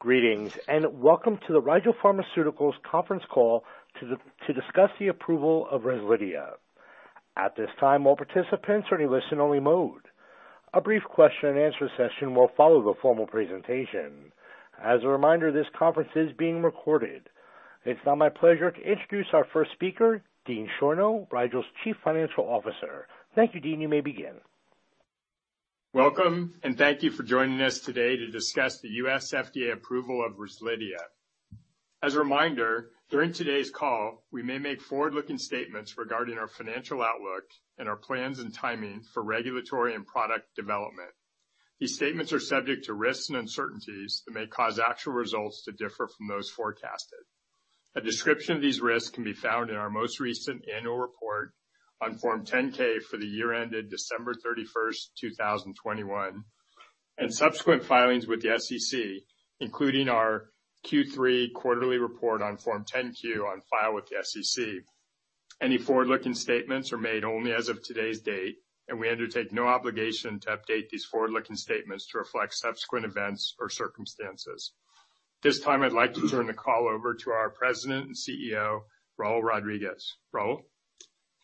Greetings, welcome to the Rigel Pharmaceuticals conference call to discuss the approval of REZLIDHIA. At this time, all participants are in listen only mode. A brief question and answer session will follow the formal presentation. As a reminder, this conference is being recorded. It's now my pleasure to introduce our first speaker, Dean Schorno, Rigel's Chief Financial Officer. Thank you, Dean. You may begin. Welcome, and thank you for joining us today to discuss the FDA approval of REZLIDHIA. As a reminder, during today's call, we may make forward-looking statements regarding our financial outlook and our plans and timing for regulatory and product development. These statements are subject to risks and uncertainties that may cause actual results to differ from those forecasted. A description of these risks can be found in our most recent annual report on Form 10-K for the year ended December 31st, 2021, and subsequent filings with the SEC, including our Q3 quarterly report on Form 10-Q on file with the SEC. Any forward-looking statements are made only as of today's date, and we undertake no obligation to update these forward-looking statements to reflect subsequent events or circumstances. At this time I'd like to turn the call over to our President and CEO, Raul Rodriguez.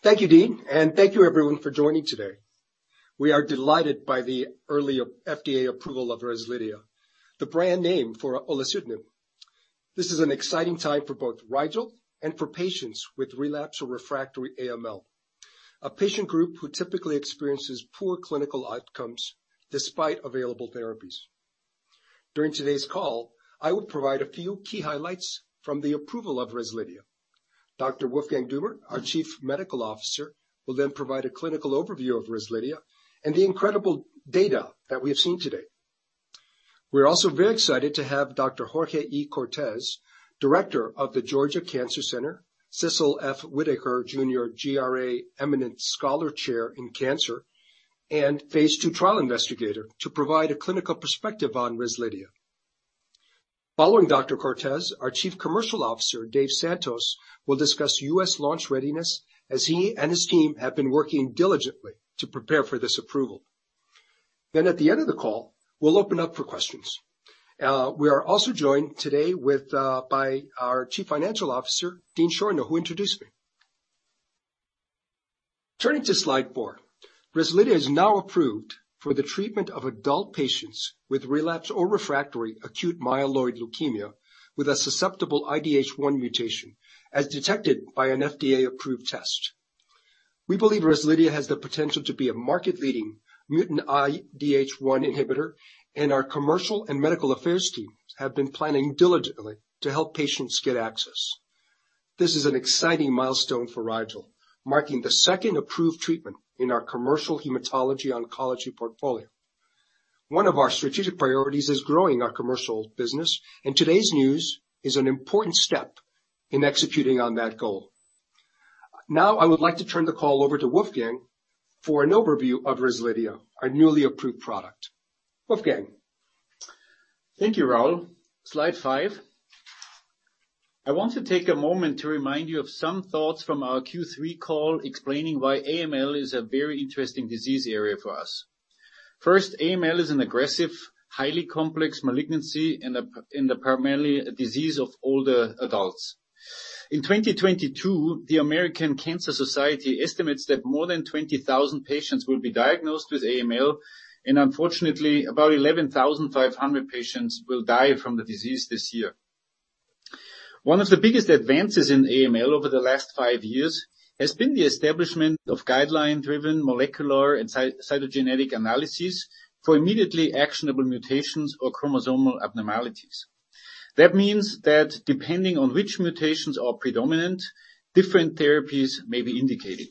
Raul. Thank you, Dean. Thank you everyone for joining today. We are delighted by the early FDA approval of REZLIDHIA, the brand name for olutasidenib. This is an exciting time for both Rigel and for patients with relapse or refractory AML, a patient group who typically experiences poor clinical outcomes despite available therapies. During today's call, I will provide a few key highlights from the approval of REZLIDHIA. Dr. Wolfgang Dummer, our Chief Medical Officer, will then provide a clinical overview of REZLIDHIA and the incredible data that we have seen today. We're also very excited to have Dr. Jorge E. Cortes, Director of the Georgia Cancer Center, Cecil F. Whitaker Jr. GRA Eminent Scholar Chair in Cancer, and Phase Two Trial Investigator, to provide a clinical perspective on REZLIDHIA. Following Dr. Cortes, our Chief Commercial Officer, Dave Santos, will discuss U.S. launch readiness as he and his team have been working diligently to prepare for this approval. At the end of the call, we'll open up for questions. We are also joined today by our Chief Financial Officer, Dean Schorno, who introduced me. Turning to slide 4. REZLIDHIA is now approved for the treatment of adult patients with relapse or refractory acute myeloid leukemia with a susceptible IDH1 mutation as detected by an FDA-approved test. We believe REZLIDHIA has the potential to be a market-leading mutant IDH1 inhibitor, and our commercial and medical affairs teams have been planning diligently to help patients get access. This is an exciting milestone for Rigel, marking the second approved treatment in our commercial hematology oncology portfolio. One of our strategic priorities is growing our commercial business, and today's news is an important step in executing on that goal. Now, I would like to turn the call over to Wolfgang for an overview of REZLIDHIA, our newly approved product. Wolfgang. Thank you, Raul. Slide 5. I want to take a moment to remind you of some thoughts from our Q3 call explaining why AML is a very interesting disease area for us. First, AML is an aggressive, highly complex malignancy and primarily a disease of older adults. In 2022, the American Cancer Society estimates that more than 20,000 patients will be diagnosed with AML, and unfortunately, about 11,500 patients will die from the disease this year. One of the biggest advances in AML over the last five years has been the establishment of guideline-driven molecular and cytogenetic analysis for immediately actionable mutations or chromosomal abnormalities. That means that depending on which mutations are predominant, different therapies may be indicated.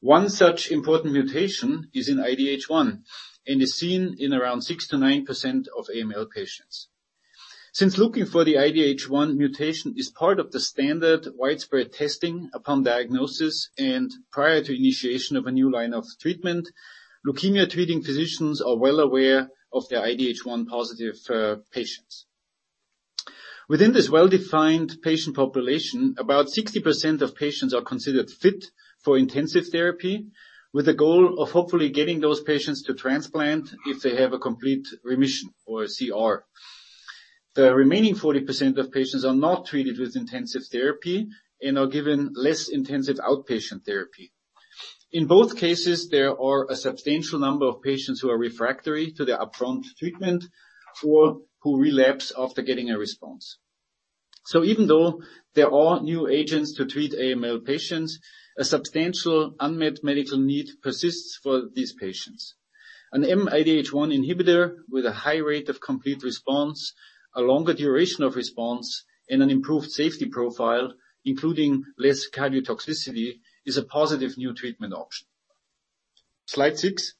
One such important mutation is in IDH1 and is seen in around 6% to 9% of AML patients. Since looking for the IDH1 mutation is part of the standard widespread testing upon diagnosis and prior to initiation of a new line of treatment, leukemia-treating physicians are well aware of the IDH1 positive patients. Within this well-defined patient population, about 60% of patients are considered fit for intensive therapy with the goal of hopefully getting those patients to transplant if they have a complete remission or CR. The remaining 40% of patients are not treated with intensive therapy and are given less intensive outpatient therapy. In both cases, there are a substantial number of patients who are refractory to the upfront treatment or who relapse after getting a response. Even though there are new agents to treat AML patients, a substantial unmet medical need persists for these patients. An IDH1 inhibitor with a high rate of complete response, a longer duration of response, and an improved safety profile, including less cardiotoxicity, is a positive new treatment option. Slide 6.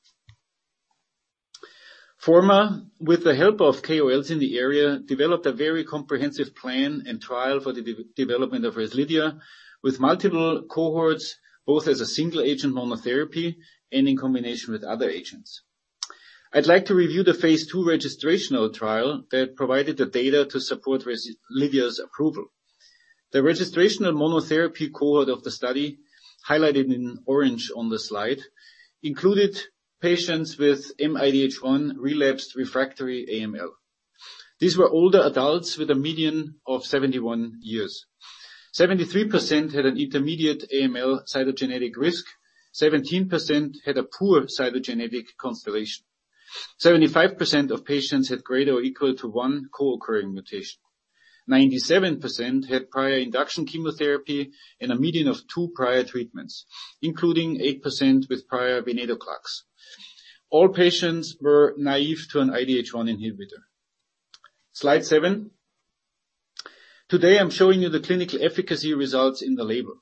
Forma, with the help of KOLs in the area, developed a very comprehensive plan and trial for the development of REZLIDHIA with multiple cohorts, both as a single agent monotherapy and in combination with other agents. I'd like to review the phase II registrational trial that provided the data to support REZLIDHIA's approval. The registration of monotherapy cohort of the study, highlighted in orange on the slide, included patients with IDH1 relapsed refractory AML. These were older adults with a median of 71 years. 73% had an intermediate AML cytogenetic risk. 17% had a poor cytogenetic constellation. 75% of patients had greater or equal to 1 co-occurring mutation. 97% had prior induction chemotherapy and a median of 2 prior treatments, including 8% with prior venetoclax. All patients were naive to an IDH1 inhibitor. Slide 7. Today I'm showing you the clinical efficacy results in the label.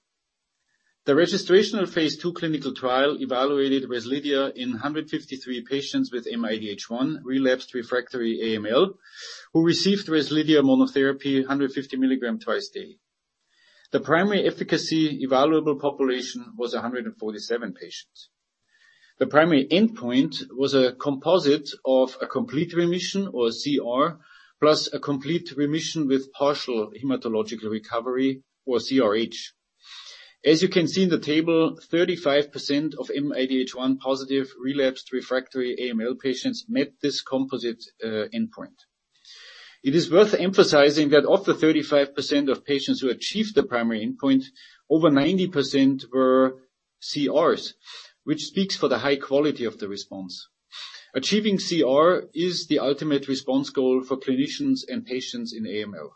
The registrational phase 2 clinical trial evaluated REZLIDHIA in 153 patients with IDH1 relapsed refractory AML, who received REZLIDHIA monotherapy 150 milligram twice daily. The primary efficacy evaluable population was 147 patients. The primary endpoint was a composite of a complete remission, or CR, plus a complete remission with partial hematological recovery, or CRH. You can see in the table, 35% of IDH1 positive relapsed refractory AML patients met this composite endpoint. It is worth emphasizing that of the 35% of patients who achieved the primary endpoint, over 90% were CRs, which speaks for the high quality of the response. Achieving CR is the ultimate response goal for clinicians and patients in AML.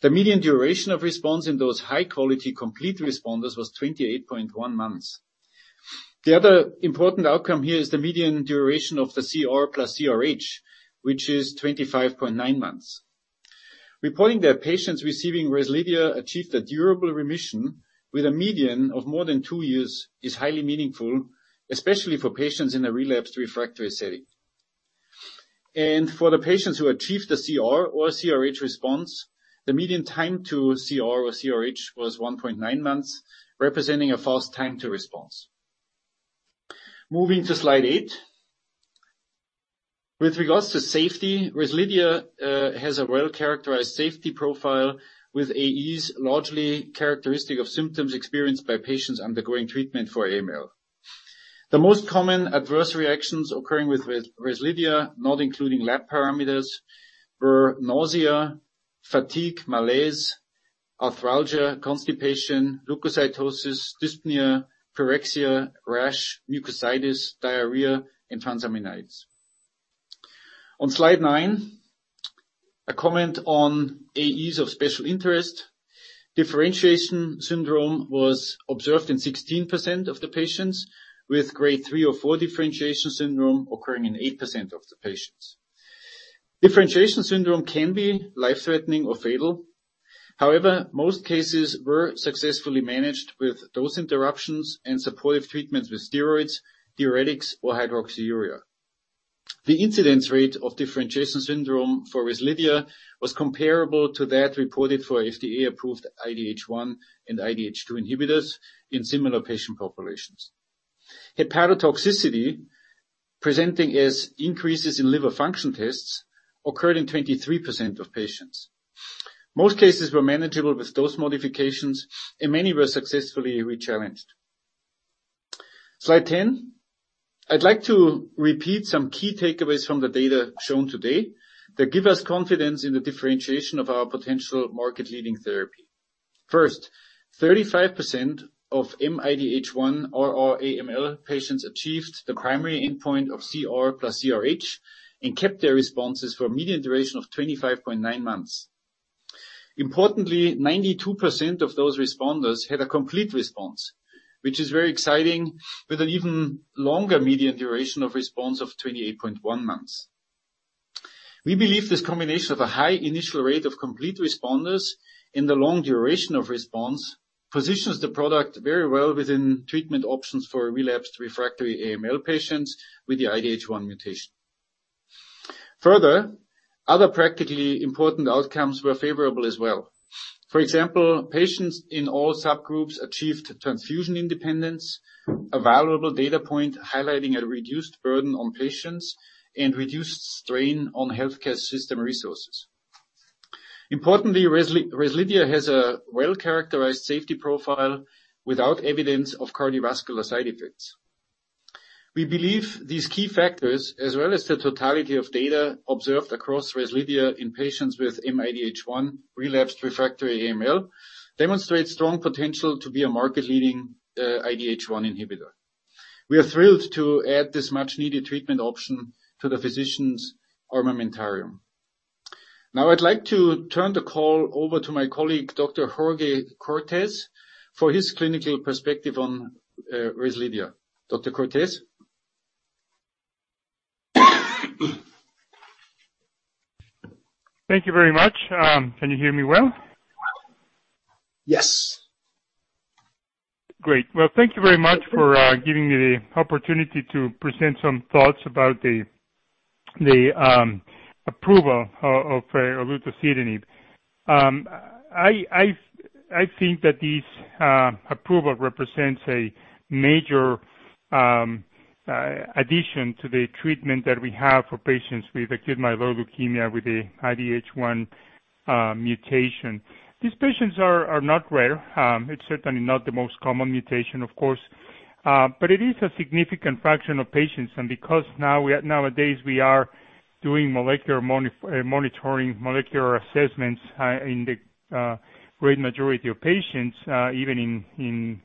The median duration of response in those high-quality complete responders was 28.1 months. The other important outcome here is the median duration of the CR plus CRH, which is 25.9 months. Reporting that patients receiving REZLIDHIA achieved a durable remission with a median of more than 2 years is highly meaningful, especially for patients in a relapsed refractory setting. For the patients who achieved the CR or CRH response, the median time to CR or CRH was 1.9 months, representing a fast time to response. Moving to slide 8. With regards to safety, REZLIDHIA has a well-characterized safety profile with AEs, largely characteristic of symptoms experienced by patients undergoing treatment for AML. The most common adverse reactions occurring with REZLIDHIA, not including lab parameters, were nausea, fatigue, malaise, arthralgia, constipation, leukocytosis, dyspnea, pyrexia, rash, mucositis, diarrhea, and transaminitis. On slide 9, a comment on AEs of special interest. Differentiation syndrome was observed in 16% of the patients, with grade 3 or 4 differentiation syndrome occurring in 8% of the patients. Differentiation syndrome can be life-threatening or fatal. However, most cases were successfully managed with dose interruptions and supportive treatments with steroids, diuretics, or hydroxyurea. The incidence rate of differentiation syndrome for REZLIDHIA was comparable to that reported for FDA-approved IDH1 and IDH2 inhibitors in similar patient populations. Hepatotoxicity, presenting as increases in liver function tests, occurred in 23% of patients. Most cases were manageable with dose modifications. Many were successfully rechallenged. Slide 10. I'd like to repeat some key takeaways from the data shown today that give us confidence in the differentiation of our potential market-leading therapy. First, 35% of IDH1 RR AML patients achieved the primary endpoint of CR plus CRH and kept their responses for a median duration of 25.9 months. Importantly, 92% of those responders had a complete response, which is very exciting, with an even longer median duration of response of 28.1 months. We believe this combination of a high initial rate of complete responders and the long duration of response positions the product very well within treatment options for relapsed refractory AML patients with the IDH1 mutation. Other practically important outcomes were favorable as well. For example, patients in all subgroups achieved transfusion independence, a valuable data point highlighting a reduced burden on patients and reduced strain on healthcare system resources. Importantly, REZLIDHIA has a well-characterized safety profile without evidence of cardiovascular side effects. We believe these key factors, as well as the totality of data observed across REZLIDHIA in patients with IDH1 relapsed refractory AML, demonstrate strong potential to be a market-leading IDH1 inhibitor. We are thrilled to add this much-needed treatment option to the physicians' armamentarium. I'd like to turn the call over to my colleague, Dr. Jorge Cortes, for his clinical perspective on REZLIDHIA. Dr. Cortes. Thank you very much. Can you hear me well? Yes. Great. Well, thank you very much for giving me the opportunity to present some thoughts about the approval of olutasidenib. I think that this approval represents a major addition to the treatment that we have for patients with acute myeloid leukemia with an IDH1 mutation. These patients are not rare. It's certainly not the most common mutation, of course. But it is a significant fraction of patients. Because now we are nowadays, we are doing molecular monitoring, molecular assessments, in the great majority of patients, even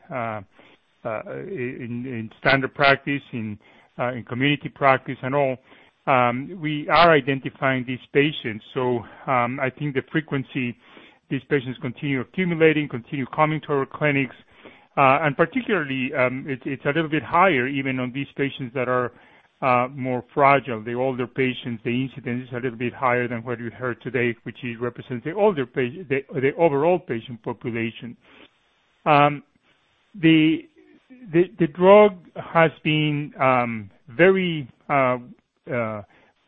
in standard practice, in community practice and all, we are identifying these patients. So I think the frequency, these patients continue accumulating, continue coming to our clinics, and particularly, it's a little bit higher even on these patients that are more fragile, the older patients, the incidence is a little bit higher than what we've heard today, which represents the older patient, the overall patient population. The drug has been very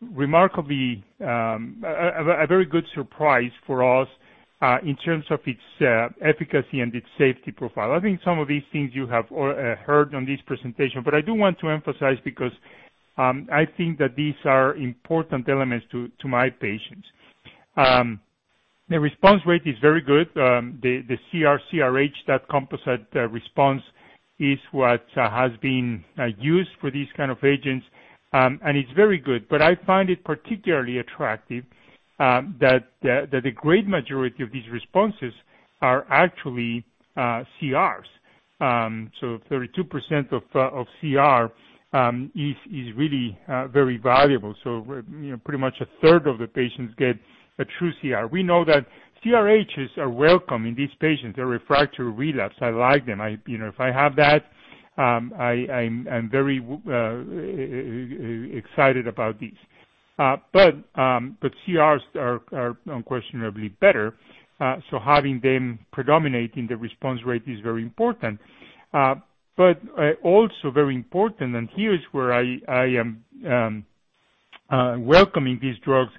remarkably, a very good surprise for us in terms of its efficacy and its safety profile. I think some of these things you have heard on this presentation, but I do want to emphasize because I think that these are important elements to my patients. The response rate is very good. The CRC-ERH, that composite response, CRHs are welcome in these patients. They're refractory relapse. I like them. I, you know, if I have that, I'm very excited about these. CRs are unquestionably better. Having them predominating the response rate is very important. Also very important, and here is where I am welcoming these drugs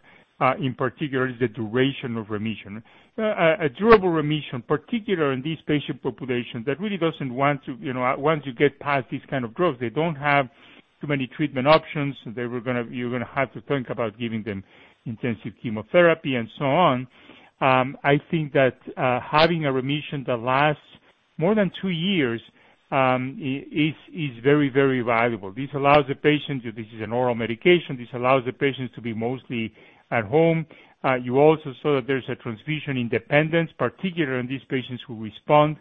in particular is the duration of remission. A durable remission, particularly in this patient population, that really doesn't want to, you know... Once you get past these kind of drugs, they don't have too many treatment options. You're gonna have to think about giving them intensive chemotherapy and so on. I think that having a remission that lasts more than two years is very, very valuable. This is an oral medication. This allows the patients to be mostly at home. You also saw that there's a transfusion independence, particularly in these patients who respond.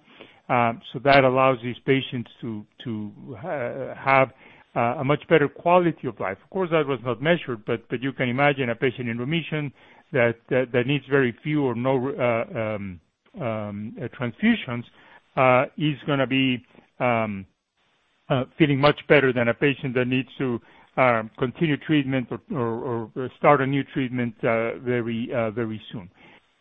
That allows these patients to have a much better quality of life. Of course, that was not measured, you can imagine a patient in remission that needs very few or no transfusions, is gonna be feeling much better than a patient that needs to continue treatment or start a new treatment very soon.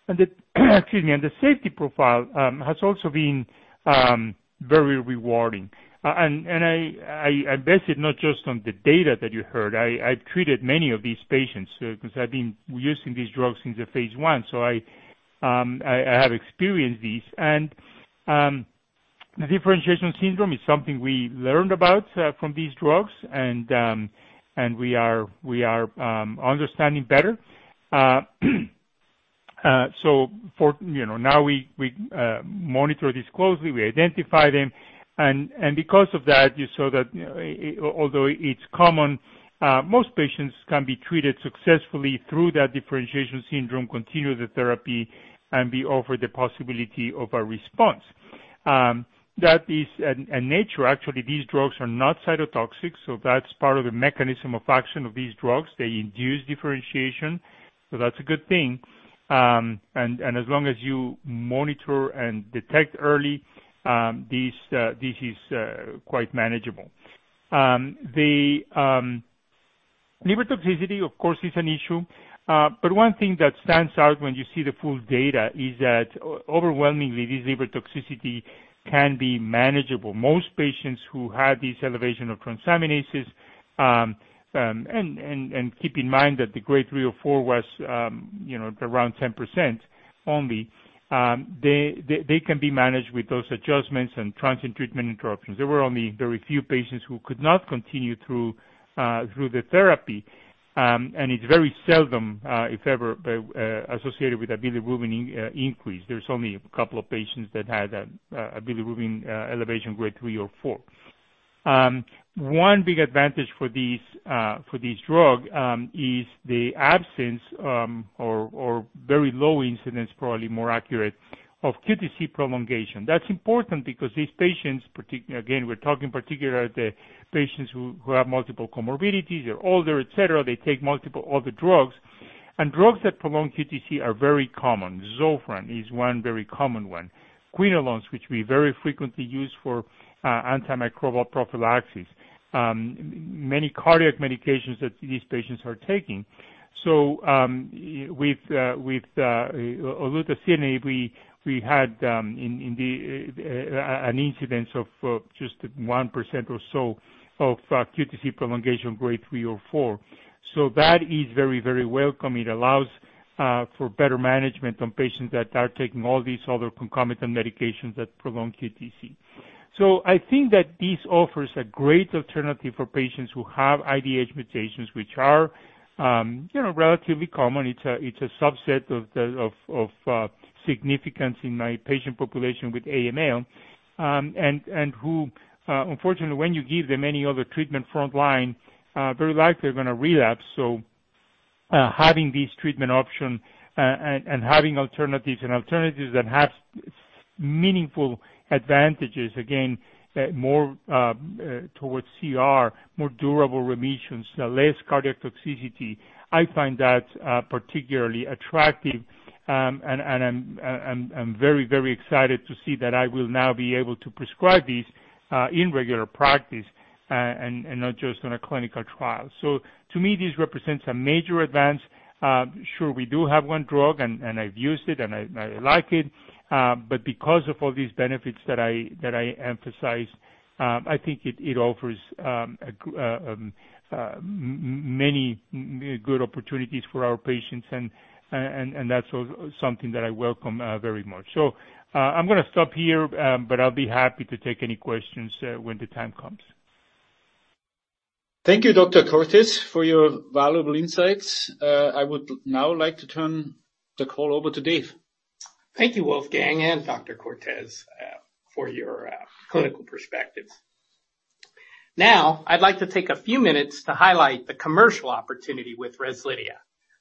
Excuse me. The safety profile has also been very rewarding. I base it not just on the data that you heard. I've treated many of these patients 'cause I've been using these drugs since the phase 1. I have experienced these. The differentiation syndrome is something we learned about from these drugs, we are understanding better. For, you know, now we monitor this closely, we identify them. Because of that, you saw that although it's common, most patients can be treated successfully through that differentiation syndrome, continue the therapy, and be offered the possibility of a response. That is a nature. Actually, these drugs are not cytotoxic, so that's part of the mechanism of action of these drugs. They induce differentiation, so that's a good thing. As long as you monitor and detect early, this is quite manageable. The liver toxicity, of course, is an issue. One thing that stands out when you see the full data is that overwhelmingly, this liver toxicity can be manageable. Most patients who had this elevation of transaminases, and keep in mind that the grade 3 or 4 was, you know, around 10% only. They can be managed with those adjustments and transient treatment interruptions. There were only very few patients who could not continue through the therapy. It's very seldom, if ever, associated with bilirubin increase. There's only a couple of patients that had a bilirubin elevation grade 3 or 4. One big advantage for this for this drug is the absence or very low incidence, probably more accurate, of QTC prolongation. That's important because these patients, again, we're talking particularly the patients who have multiple comorbidities, they're older, et cetera. They take multiple other drugs. Drugs that prolong QTC are very common. Zofran is one very common one. quinolones, which we very frequently use for antimicrobial prophylaxis. Many cardiac medications that these patients are taking. With olutasidenib, we had an incidence of just 1% or so of QTC prolongation grade 3 or 4. That is very, very welcome. It allows for better management on patients that are taking all these other concomitant medications that prolong QTC. I think that this offers a great alternative for patients who have IDH mutations, which are, you know, relatively common. It's a subset of significance in my patient population with AML, and who unfortunately when you give them any other treatment front line, very likely they're gonna relapse. Having this treatment option and having alternatives, and alternatives that have meaningful advantages, again, more towards CR, more durable remissions, less cardiac toxicity, I find that particularly attractive. I'm very, very excited to see that I will now be able to prescribe these in regular practice and not just on a clinical trial. To me, this represents a major advance. Sure, we do have one drug and I've used it and I like it. Because of all these benefits that I emphasized, I think it offers many good opportunities for our patients and that's something that I welcome very much. I'm gonna stop here, but I'll be happy to take any questions when the time comes. Thank you, Dr. Cortes, for your valuable insights. I would now like to turn the call over to Dave. Thank you, Wolfgang and Dr. Cortes, for your clinical perspectives. I'd like to take a few minutes to highlight the commercial opportunity with REZLIDHIA,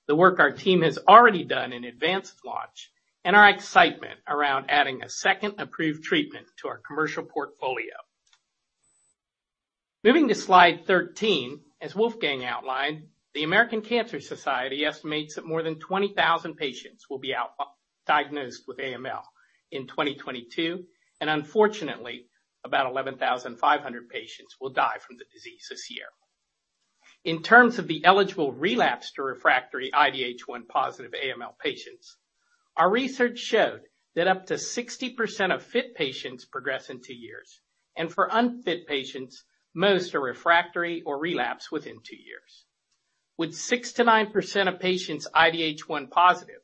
the work our team has already done in advance of launch, and our excitement around adding a second approved treatment to our commercial portfolio. Moving to slide 13, as Wolfgang outlined, the American Cancer Society estimates that more than 20,000 patients will be diagnosed with AML in 2022, unfortunately, about 11,500 patients will die from the disease this year. In terms of the eligible relapsed or refractory IDH1 positive AML patients, our research showed that up to 60% of fit patients progress in 2 years, for unfit patients, most are refractory or relapse within 2 years. With 6%-9% of patients IDH1 positive,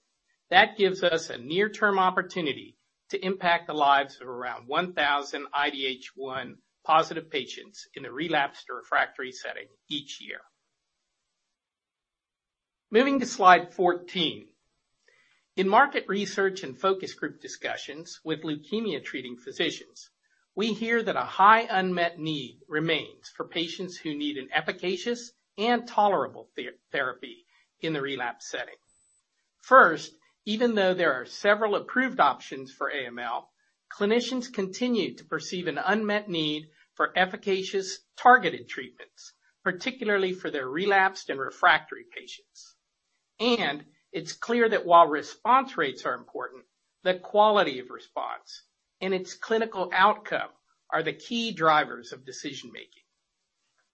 that gives us a near-term opportunity to impact the lives of around 1,000 IDH1 positive patients in the relapsed or refractory setting each year. Moving to slide 14. In market research and focus group discussions with leukemia-treating physicians, we hear that a high unmet need remains for patients who need an efficacious and tolerable therapy in the relapsed setting. First, even though there are several approved options for AML, clinicians continue to perceive an unmet need for efficacious targeted treatments, particularly for their relapsed and refractory patients. It's clear that while response rates are important, the quality of response and its clinical outcome are the key drivers of decision-making.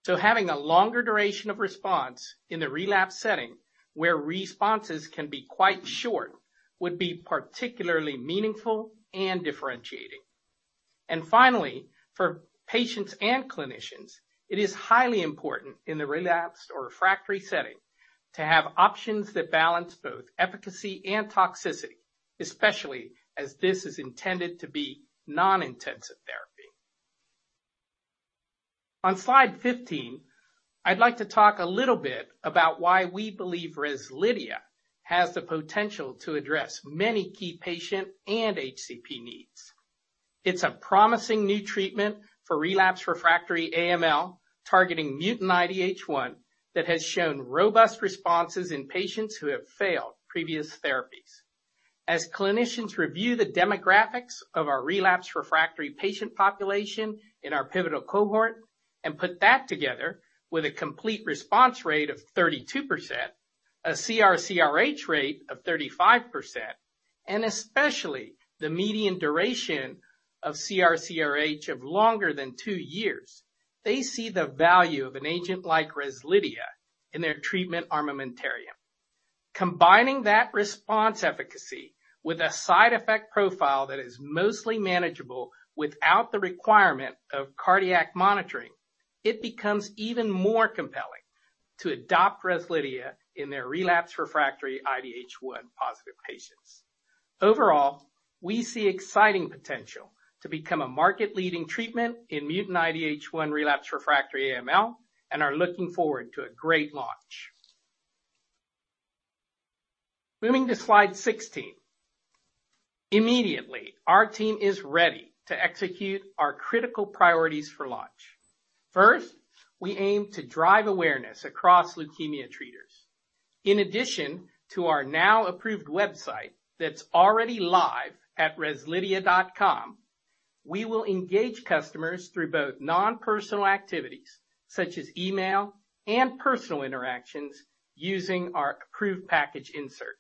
Having a longer duration of response in the relapsed setting, where responses can be quite short, would be particularly meaningful and differentiating. Finally, for patients and clinicians, it is highly important in the relapsed or refractory setting to have options that balance both efficacy and toxicity, especially as this is intended to be non-intensive therapy. On slide 15, I'd like to talk a little bit about why we believe REZLIDHIA has the potential to address many key patient and HCP needs. It's a promising new treatment for relapsed refractory AML, targeting mutant IDH1 that has shown robust responses in patients who have failed previous therapies. As clinicians review the demographics of our relapsed refractory patient population in our pivotal cohort and put that together with a complete response rate of 32%, a CR/CRh rate of 35%, and especially the median duration of CR/CRh of longer than 2 years, they see the value of an agent like REZLIDHIA in their treatment armamentarium. Combining that response efficacy with a side effect profile that is mostly manageable without the requirement of cardiac monitoring, it becomes even more compelling to adopt REZLIDHIA in their relapsed refractory IDH1 positive patients. Overall, we see exciting potential to become a market-leading treatment in mutant IDH1 relapsed refractory AML and are looking forward to a great launch. Moving to slide 16. Immediately, our team is ready to execute our critical priorities for launch. First, we aim to drive awareness across leukemia treaters. In addition to our now approved website that's already live at REZLIDHIA.com, we will engage customers through both non-personal activities, such as email and personal interactions using our approved package insert.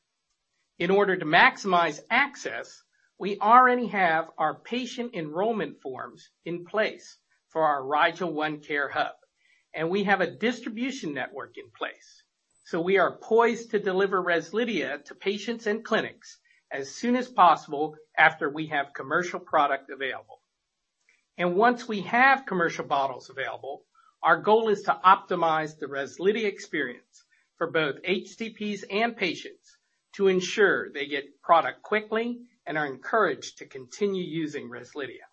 In order to maximize access, we already have our patient enrollment forms in place for our RIGEL ONECARE Hub, and we have a distribution network in place. We are poised to deliver REZLIDHIA to patients in clinics as soon as possible after we have commercial product available. Once we have commercial bottles available, our goal is to optimize the REZLIDHIA experience for both HCPs and patients to ensure they get product quickly and are encouraged to continue using REZLIDHIA.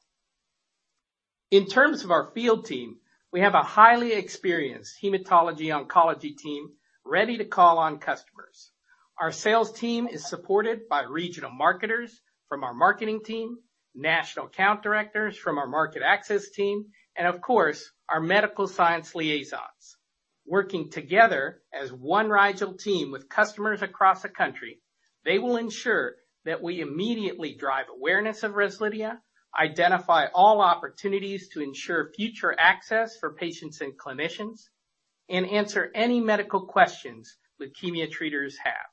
In terms of our field team, we have a highly experienced hematology oncology team ready to call on customers. Our sales team is supported by regional marketers from our marketing team, national account directors from our market access team, and of course, our medical science liaisons. Working together as one Rigel team with customers across the country, they will ensure that we immediately drive awareness of REZLIDHIA, identify all opportunities to ensure future access for patients and clinicians, and answer any medical questions leukemia treaters have.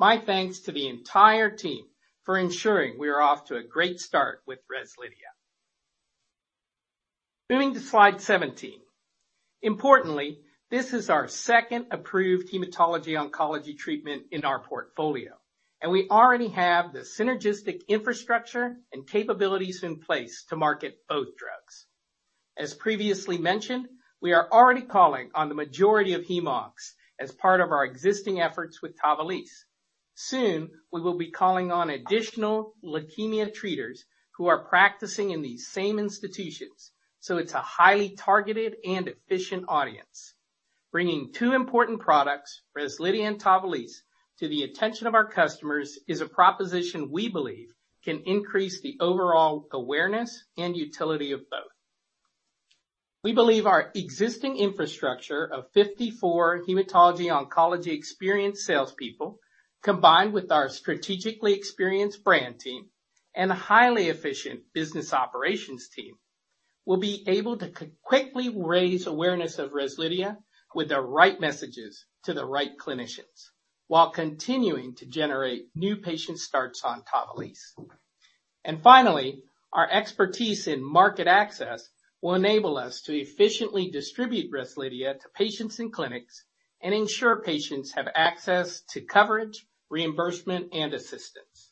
My thanks to the entire team for ensuring we are off to a great start with REZLIDHIA. Moving to slide 17. Importantly, this is our second approved hematology oncology treatment in our portfolio, and we already have the synergistic infrastructure and capabilities in place to market both drugs. As previously mentioned, we are already calling on the majority of hem-oncs as part of our existing efforts with TAVALISSE. Soon, we will be calling on additional leukemia treaters who are practicing in these same institutions, so it's a highly targeted and efficient audience. Bringing two important products, REZLIDHIA and TAVALISSE, to the attention of our customers is a proposition we believe can increase the overall awareness and utility of both. We believe our existing infrastructure of 54 hematology oncology experienced salespeople, combined with our strategically experienced brand team and a highly efficient business operations team, will be able to quickly raise awareness of REZLIDHIA with the right messages to the right clinicians while continuing to generate new patient starts on TAVALISSE. Our expertise in market access will enable us to efficiently distribute REZLIDHIA to patients in clinics and ensure patients have access to coverage, reimbursement, and assistance.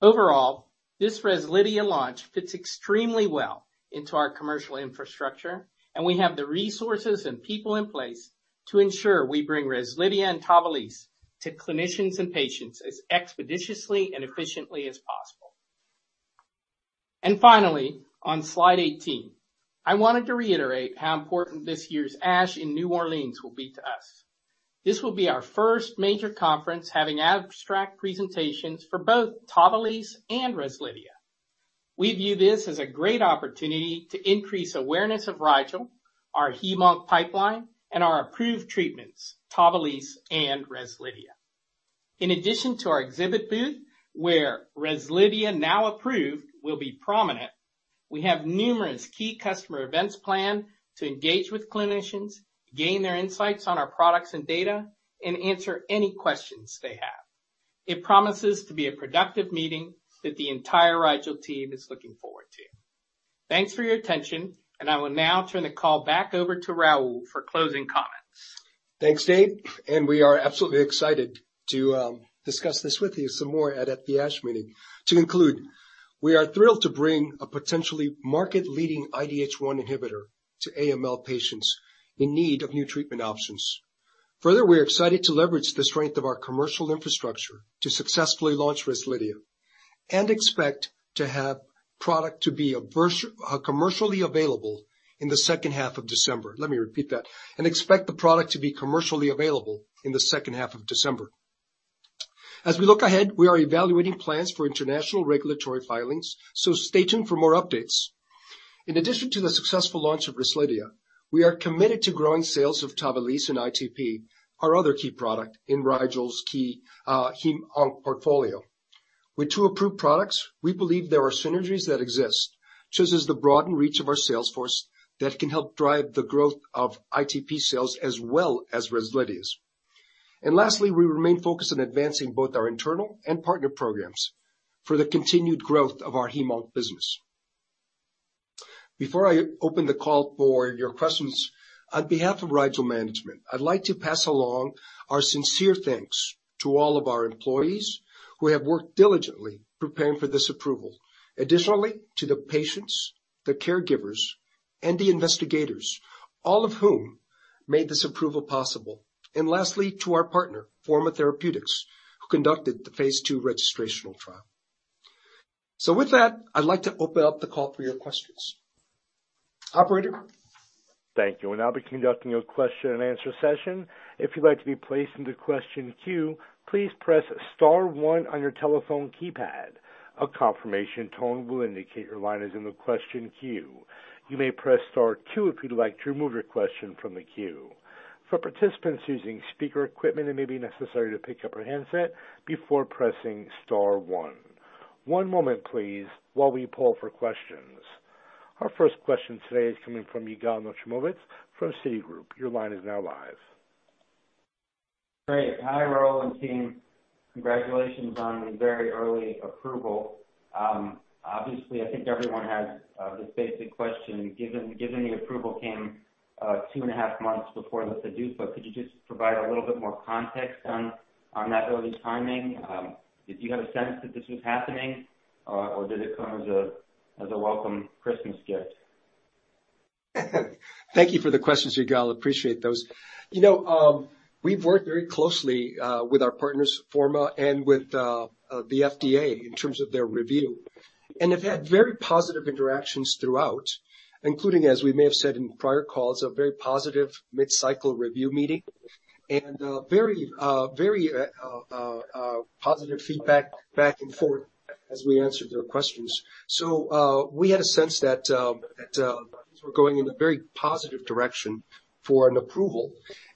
Overall, this REZLIDHIA launch fits extremely well into our commercial infrastructure, and we have the resources and people in place to ensure we bring REZLIDHIA and TAVALISSE to clinicians and patients as expeditiously and efficiently as possible. On slide 18, I wanted to reiterate how important this year's ASH in New Orleans will be to us. This will be our first major conference having abstract presentations for both TAVALISSE and REZLIDHIA. We view this as a great opportunity to increase awareness of Rigel, our hem-onc pipeline, and our approved treatments, TAVALISSE and REZLIDHIA. In addition to our exhibit booth, where REZLIDHIA now approved will be prominent, we have numerous key customer events planned to engage with clinicians, gain their insights on our products and data, and answer any questions they have. It promises to be a productive meeting that the entire Rigel team is looking forward to. Thanks for your attention, I will now turn the call back over to Raul for closing comments. We are absolutely excited to discuss this with you some more at the ASH meeting. To conclude, we are thrilled to bring a potentially market-leading IDH1 inhibitor to AML patients in need of new treatment options. Further, we are excited to leverage the strength of our commercial infrastructure to successfully launch REZLIDHIA and expect to have product to be commercially available in the second half of December. Let me repeat that, and expect the product to be commercially available in the second half of December. As we look ahead, we are evaluating plans for international regulatory filings, so stay tuned for more updates. In addition to the successful launch of REZLIDHIA, we are committed to growing sales of TAVALISSE and ITP, our other key product in Rigel's key hem-onc portfolio. With two approved products, we believe there are synergies that exist, such as the broadened reach of our sales force that can help drive the growth of ITP sales as well as REZLIDHIA's. Lastly, we remain focused on advancing both our internal and partner programs for the continued growth of our hem-onc business. Before I open the call for your questions, on behalf of Rigel management, I'd like to pass along our sincere thanks to all of our employees who have worked diligently preparing for this approval. Additionally, to the patients, the caregivers, and the investigators, all of whom made this approval possible. Lastly, to our partner, Forma Therapeutics, who conducted the phase 2 registrational trial. With that, I'd like to open up the call for your questions. Operator? Thank you. We'll now be conducting a question-and-answer session. If you'd like to be placed into question queue, please press star one on your telephone keypad. A confirmation tone will indicate your line is in the question queue. You may press star two if you'd like to remove your question from the queue. For participants using speaker equipment, it may be necessary to pick up your handset before pressing star one. One moment, please, while we poll for questions. Our first question today is coming from Yigal Nochomovitz from Citigroup. Your line is now live. Great. Hi, Raul and team. Congratulations on the very early approval. Obviously, I think everyone has this basic question. Given the approval came two and a half months before the PDUFA. Could you just provide a little bit more context on that early timing? Did you have a sense that this was happening, or did it come as a welcome Christmas gift? Thank you for the questions, Yigal. Appreciate those. You know, we've worked very closely with our partners Forma and with the FDA in terms of their review, and have had very positive interactions throughout, including, as we may have said in prior calls, a very positive mid-cycle review meeting and very, very positive feedback back and forth as we answered their questions. We had a sense that things were going in a very positive direction for an approval.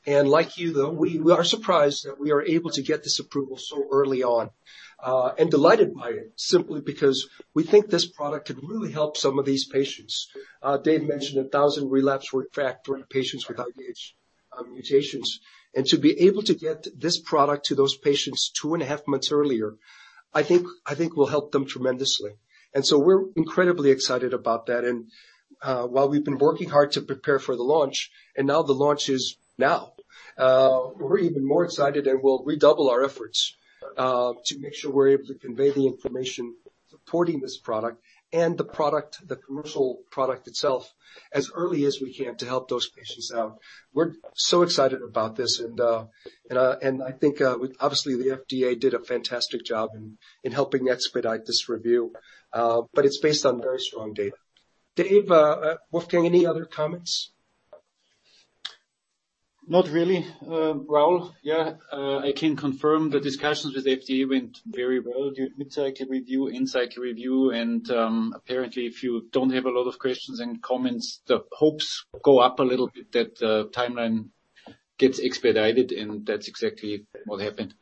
Like you though, we are surprised that we are able to get this approval so early on and delighted by it, simply because we think this product could really help some of these patients. Dave mentioned 1,000 relapse refractory patients with IDH mutations. To be able to get this product to those patients two and a half months earlier, I think will help them tremendously. So we're incredibly excited about that. While we've been working hard to prepare for the launch and now the launch is now, we're even more excited, and we'll redouble our efforts to make sure we're able to convey the information supporting this product and the product, the commercial product itself, as early as we can to help those patients out. We're so excited about this and I think, obviously the FDA did a fantastic job in helping expedite this review. It's based on very strong data. Dave, Wolfgang, any other comments? Not really. Raul, yeah, I can confirm the discussions with FDA went very well, the mid-cycle review, in-cycle review, and apparently if you don't have a lot of questions and comments, the hopes go up a little bit that the timeline gets expedited, and that's exactly what happened.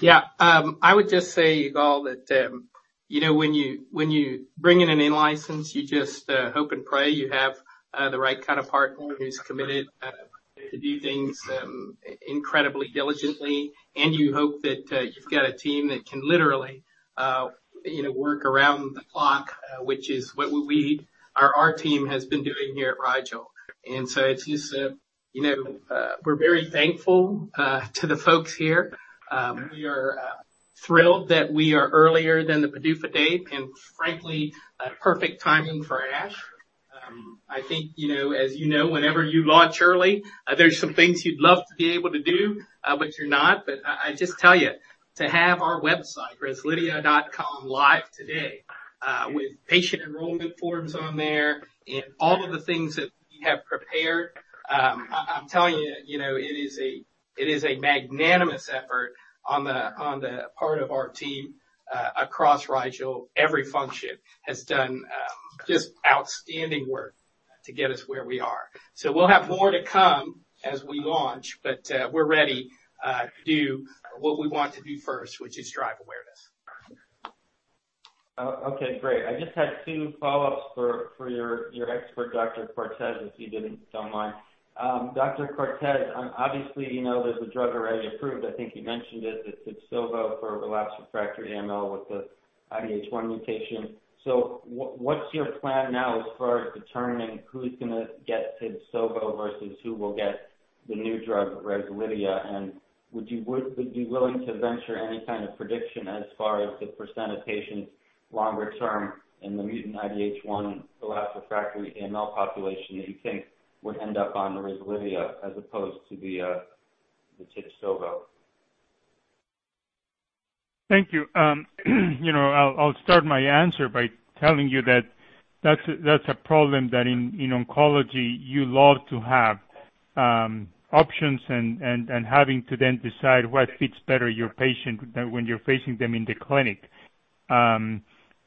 Yeah. I would just say, Yigal, that, you know, when you bring in an in-license, you just hope and pray you have the right kind of partner who's committed to do things incredibly diligently. You hope that you've got a team that can literally, you know, work around the clock, which is what our team has been doing here at Rigel. It's just, you know, we're very thankful to the folks here. We are thrilled that we are earlier than the PDUFA date, and frankly, a perfect timing for ASH. I think, you know, as you know, whenever you launch early, there's some things you'd love to be able to do, but you're not. I just tell you, to have our website, REZLIDHIA.com, live today, with patient enrollment forms on there and all of the things that we have prepared, I'm telling you know, it is a magnanimous effort on the part of our team. Across Rigel, every function has done just outstanding work to get us where we are. We'll have more to come as we launch, we're ready to do what we want to do first, which is drive awareness. Okay, great. I just had 2 follow-ups for your expert, Dr. Cortes, if he didn't mind. Dr. Cortes, obviously you know that the drug already approved, I think you mentioned it, the TIBSOVO for relapsed/refractory AML with the IDH1 mutation. What's your plan now as far as determining who's gonna get TIBSOVO versus who will get the new drug, REZLIDHIA? Would you be willing to venture any kind of prediction as far as the % of patients longer term in the mutant IDH1 relapsed/refractory AML population that you think would end up on REZLIDHIA as opposed to the TIBSOVO? Thank you. You know, I'll start my answer by telling you that that's a problem that in oncology you love to have, options and having to then decide what fits better your patient when you're facing them in the clinic.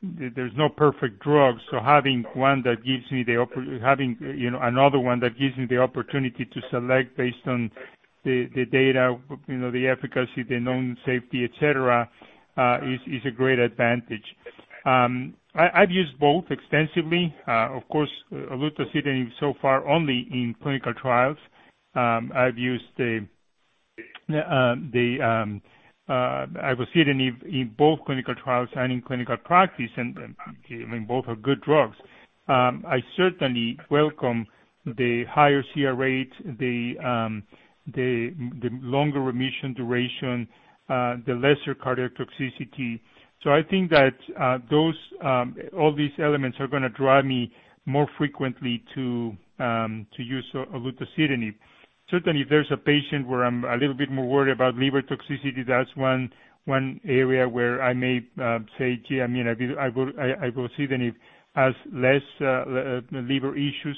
There's no perfect drug, so having one that gives me the opportunity. Having, you know, another one that gives me the opportunity to select based on the data, you know, the efficacy, the known safety, et cetera, is a great advantage. I've used both extensively. Of course, olutasidenib so far only in clinical trials. I've used the ivosidenib in both clinical trials and in clinical practice, and, I mean, both are good drugs. I certainly welcome the higher CR rate, the longer remission duration, the lesser cardiac toxicity. I think that those all these elements are gonna drive me more frequently to use olutasidenib. Certainly, if there's a patient where I'm a little bit more worried about liver toxicity, that's one area where I may say, gee, I mean, ivosidenib has less liver issues.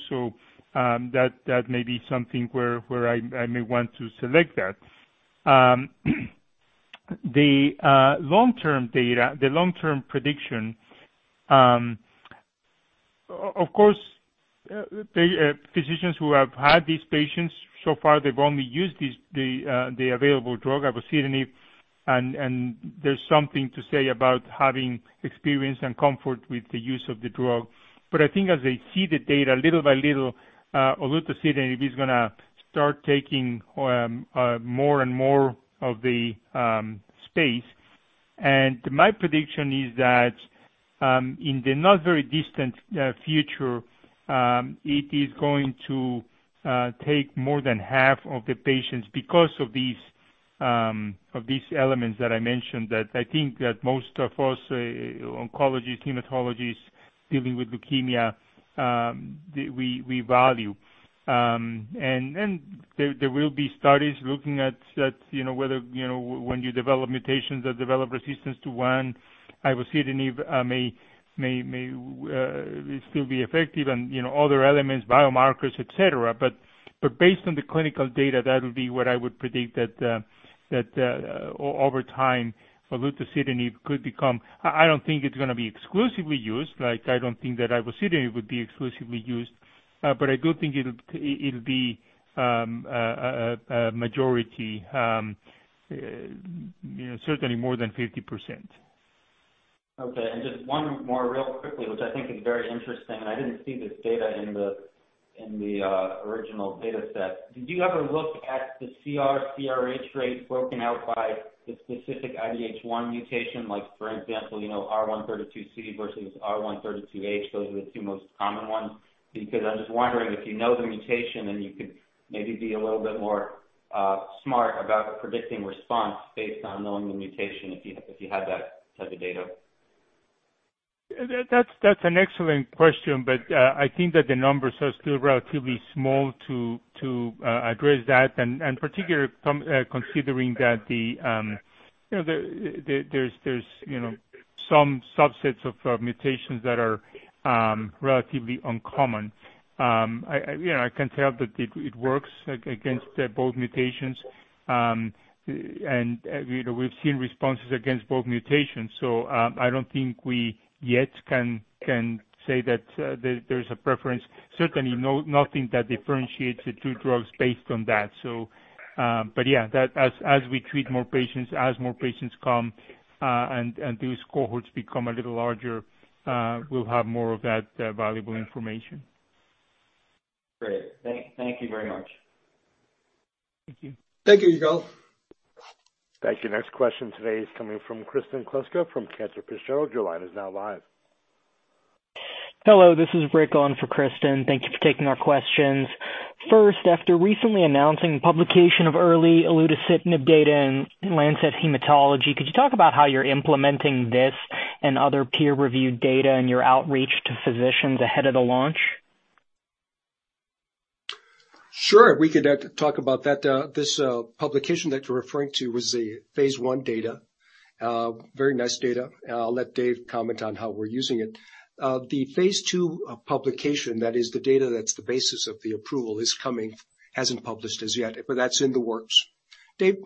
That may be something where I may want to select that. The long-term data, the long-term prediction. Of course, the physicians who have had these patients, so far they've only used this, the available drug, ivosidenib, and there's something to say about having experience and comfort with the use of the drug. I think as they see the data little by little, olutasidenib is gonna start taking more and more of the space. My prediction is that in the not very distant future, it is going to take more than half of the patients because of these of these elements that I mentioned that I think that most of us oncologists, hematologists dealing with leukemia, we value. There will be studies looking at, you know, whether, you know, when you develop mutations that develop resistance to one ivosidenib, may still be effective and, you know, other elements, biomarkers, et cetera. Based on the clinical data, that'll be what I would predict that over time, olutasidenib could become, I don't think it's gonna be exclusively used. Like, I don't think that ivosidenib would be exclusively used, but I do think it'll be a majority, you know, certainly more than 50%. Okay. Just one more real quickly, which I think is very interesting, and I didn't see this data in the, in the original data set. Did you ever look at the CR, CRH rates broken out by the specific IDH1 mutation, like for example, you know, R132C versus R132H? Those are the two most common ones. I'm just wondering if you know the mutation, then you could maybe be a little bit more smart about predicting response based on knowing the mutation if you had that type of data. That's an excellent question, but I think that the numbers are still relatively small to address that, and particularly from considering that the, you know, there's, you know, some subsets of mutations that are relatively uncommon. I, you know, I can tell that it works against both mutations. And we know we've seen responses against both mutations, so I don't think we yet can say that there's a preference. Certainly nothing that differentiates the two drugs based on that. Yeah, that as we treat more patients, as more patients come, and these cohorts become a little larger, we'll have more of that valuable information. Great. Thank you very much. Thank you. Thank you, Yigal. Thank you. Next question today is coming from Kristen Kluska from Cantor Fitzgerald. Your line is now live. Hello, this is Rick on for Kristen. Thank you for taking our questions. After recently announcing publication of early olutasidenib data in The Lancet Haematology, could you talk about how you're implementing this and other peer-reviewed data in your outreach to physicians ahead of the launch? Sure, we could talk about that. This publication that you're referring to was a phase 1 data, very nice data. I'll let Dave comment on how we're using it. The phase 2 publication, that is the data that's the basis of the approval is coming, hasn't published as yet, but that's in the works. Dave?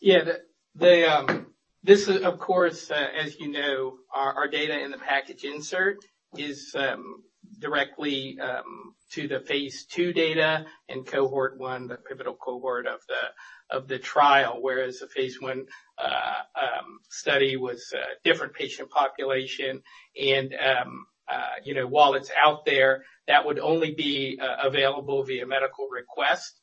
Yeah. The, the, this is of course, as you know, our data in the package insert is directly to the phase 2 data in cohort 1, the pivotal cohort of the, of the trial, whereas the phase 1 study was a different patient population. You know, while it's out there, that would only be available via medical request.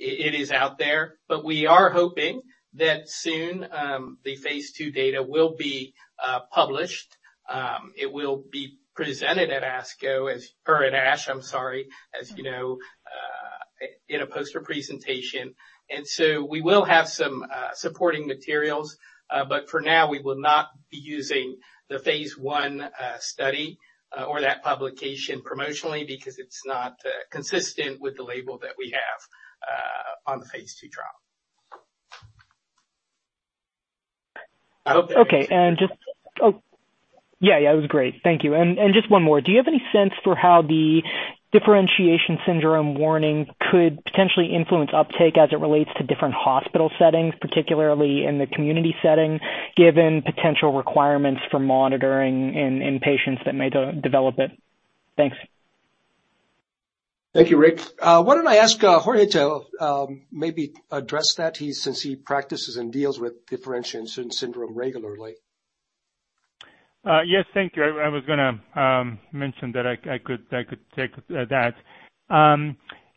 It is out there, but we are hoping that soon, the phase 2 data will be published. It will be presented at ASCO as or at ASH, I'm sorry, as you know, in a poster presentation. So we will have some supporting materials. For now, we will not be using the phase I study or that publication promotionally because it's not consistent with the label that we have on the phase II trial. I hope that. Okay. Yeah, it was great. Thank you. Just one more. Do you have any sense for how the differentiation syndrome warning could potentially influence uptake as it relates to different hospital settings, particularly in the community setting, given potential requirements for monitoring in patients that may de-develop it? Thanks. Thank you, Rick. Why don't I ask Jorge to maybe address that he, since he practices and deals with differentiation syndrome regularly. Yes, thank you. I was gonna mention that I could take that.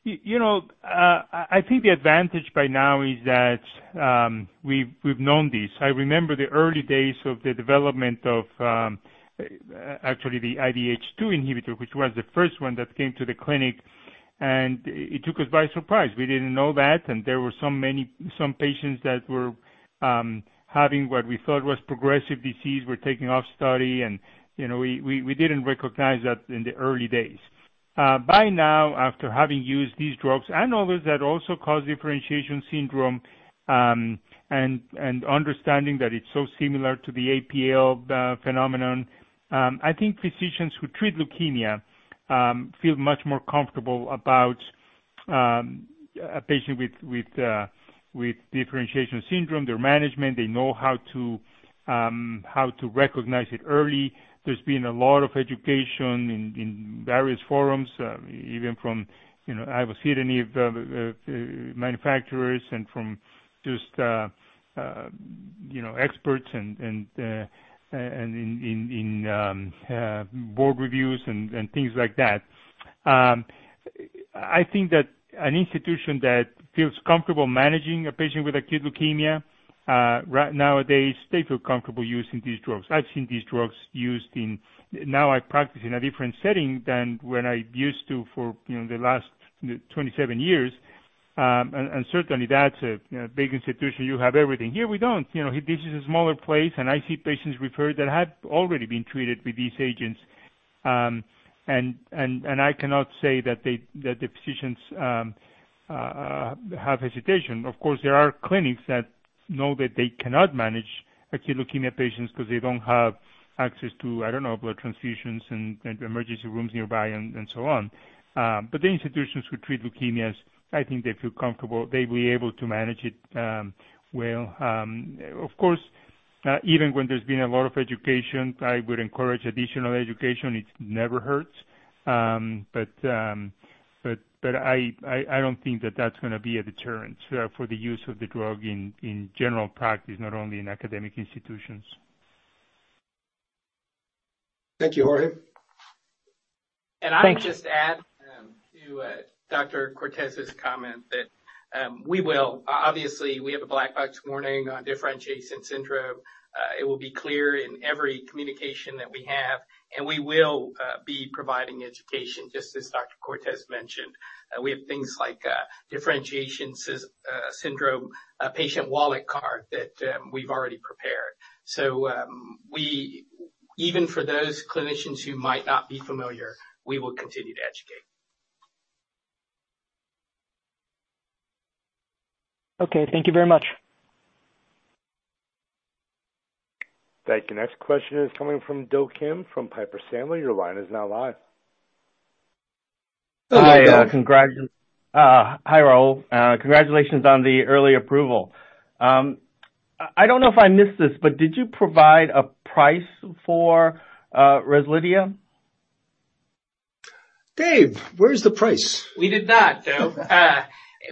You know, I think the advantage by now is that we've known this. I remember the early days of the development of actually the IDH2 inhibitor, which was the first one that came to the clinic, and it took us by surprise. We didn't know that, and there were so many... some patients that were having what we thought was progressive disease were taking off study. You know, we didn't recognize that in the early days. By now, after having used these drugs and others that also cause differentiation syndrome, and understanding that it's so similar to the APL phenomenon, I think physicians who treat leukemia feel much more comfortable about a patient with differentiation syndrome, their management. They know how to recognize it early. There's been a lot of education in various forums, even from, you know, ivosidenib manufacturers and from just, you know, experts and in board reviews and things like that. I think that an institution that feels comfortable managing a patient with acute leukemia right nowadays, they feel comfortable using these drugs. I've seen these drugs used in... Now, I practice in a different setting than when I used to for, you know, the last 27 years. Certainly that's a, you know, big institution. You have everything. Here, we don't. You know, this is a smaller place, and I see patients referred that have already been treated with these agents. I cannot say that they, that the physicians, have hesitation. Of course, there are clinics that know that they cannot manage acute leukemia patients because they don't have access to, I don't know, blood transfusions and emergency rooms nearby and so on. The institutions who treat leukemias, I think they feel comfortable. They'll be able to manage it, well. Of course, even when there's been a lot of education, I would encourage additional education. It never hurts. I don't think that that's gonna be a deterrent for the use of the drug in general practice, not only in academic institutions. Thank you, Jorge. Thanks. I would just add to Dr. Cortes's comment that we will obviously have a black box warning on differentiation syndrome. It will be clear in every communication that we have, and we will be providing education, just as Dr. Cortes mentioned. We have things like differentiation syndrome, a patient wallet card that we've already prepared. Even for those clinicians who might not be familiar, we will continue to educate. Okay. Thank you very much. Thank you. Next question is coming from Do Kim from Piper Sandler. Your line is now live. Hello, Do. Hi. Hi, Raul. Congratulations on the early approval. I don't know if I missed this, but did you provide a price for REZLIDHIA? Dave, where's the price? We did not, Do.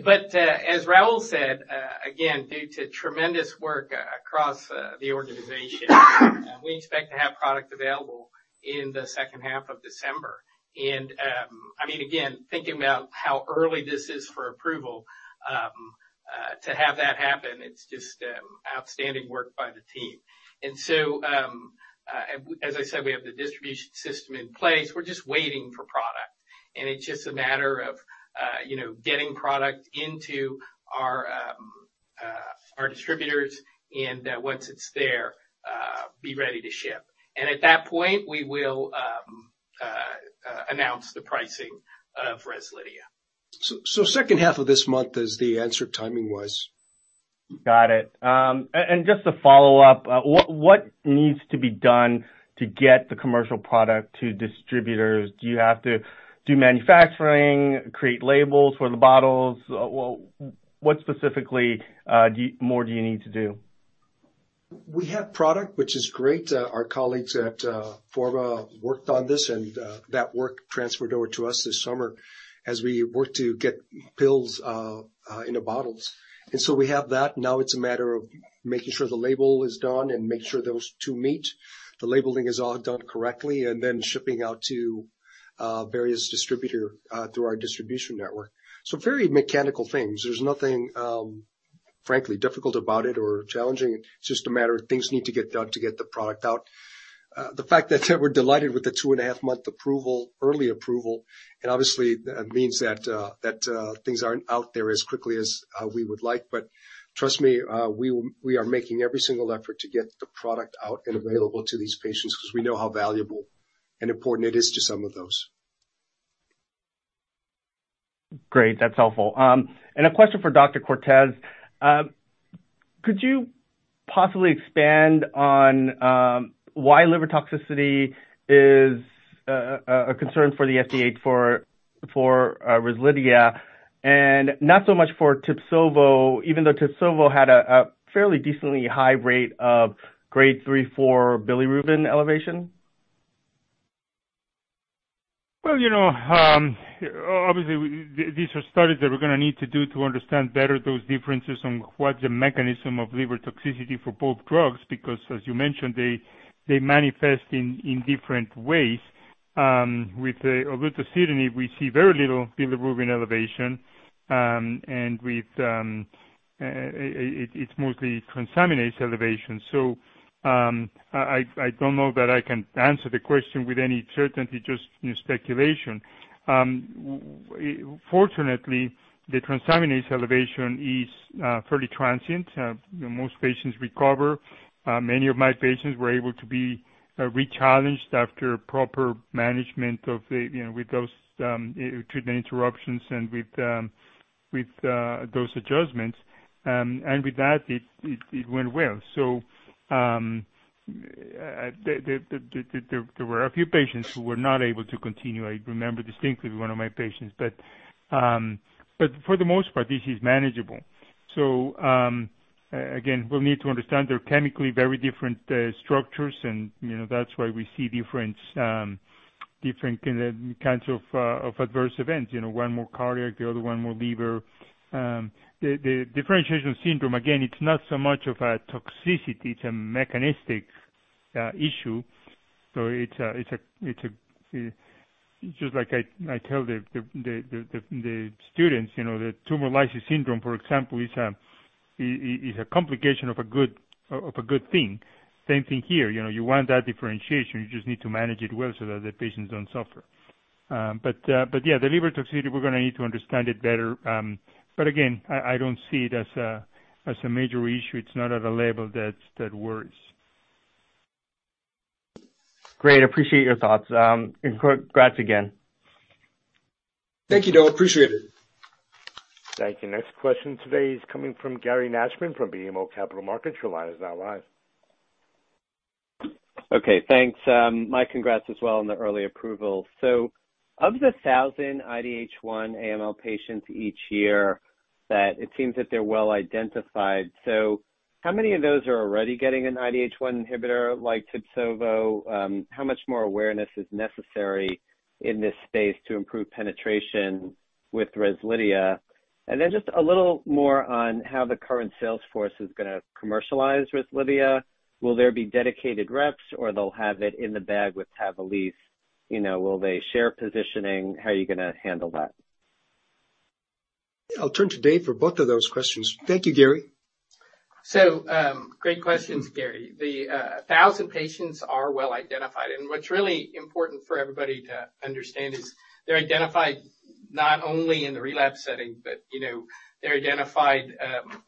As Raul said, again, due to tremendous work across the organization we expect to have product available in the second half of December. I mean, again, thinking about how early this is for approval, to have that happen, it's just outstanding work by the team. As I said, we have the distribution system in place. We're just waiting for product, and it's just a matter of, you know, getting product into our our distributors, and once it's there, be ready to ship. At that point, we will announce the pricing of REZLIDHIA. Second half of this month is the answer timing was. Got it. Just to follow up, what needs to be done to get the commercial product to distributors? Do you have to do manufacturing, create labels for the bottles? What specifically, more do you need to do? We have product, which is great. Our colleagues at Forma worked on this, and that work transferred over to us this summer as we worked to get pills into bottles. We have that. Now it's a matter of making sure the label is done and make sure those two meet. The labeling is all done correctly, and then shipping out to various distributor through our distribution network. Very mechanical things. There's nothing frankly difficult about it or challenging. It's just a matter of things need to get done to get the product out. The fact that we're delighted with the 2.5-month approval, early approval, and obviously that means that things aren't out there as quickly as we would like. Trust me, we are making every single effort to get the product out and available to these patients because we know how valuable and important it is to some of those. Great. That's helpful. A question for Dr. Cortes. Could you possibly expand on why liver toxicity is a concern for the FDA for REZLIDHIA and not so much for TIBSOVO, even though TIBSOVO had a fairly decently high rate of grade three for bilirubin elevation? Well, you know, obviously, these are studies that we're gonna need to do to understand better those differences on what the mechanism of liver toxicity for both drugs, because as you mentioned, they manifest in different ways. With the olutasidenib, we see very little bilirubin elevation, and with, it's mostly transaminase elevation. I don't know that I can answer the question with any certainty, just speculation. Fortunately, the transaminase elevation is fairly transient. Most patients recover. Many of my patients were able to be rechallenged after proper management of the, you know, with those treatment interruptions and with those adjustments. And with that, it went well. There were a few patients who were not able to continue. I remember distinctly one of my patients. For the most part, this is manageable. Again, we'll need to understand their chemically very different structures and, you know, that's why we see different kinds of adverse events. One more cardiac, the other one more liver. The differentiation syndrome, again, it's not so much of a toxicity, it's a mechanistic issue. It's just like I tell the students, you know, that tumor lysis syndrome, for example, is a complication of a good thing. Same thing here. You want that differentiation, you just need to manage it well so that the patients don't suffer. Yeah, the liver toxicity, we're gonna need to understand it better. Again, I don't see it as a, as a major issue. It's not at a level that worries. Great. Appreciate your thoughts. Congrats again. Thank you, Do. Appreciate it. Thank you. Next question today is coming from Gary Nachman from BMO Capital Markets. Your line is now live. Okay, thanks. My congrats as well on the early approval. Of the 1,000 IDH1 AML patients each year that it seems that they're well identified, how many of those are already getting an IDH1 inhibitor like TIBSOVO? How much more awareness is necessary in this space to improve penetration with REZLIDHIA? Just a little more on how the current sales force is gonna commercialize REZLIDHIA. Will there be dedicated reps or they'll have it in the bag with TAVALISSE? You know, will they share positioning? How are you gonna handle that? I'll turn to Dave for both of those questions. Thank you, Gary. Great questions, Gary. The 1,000 patients are well identified, and what's really important for everybody to understand is they're identified not only in the relapse setting, but, you know, they're identified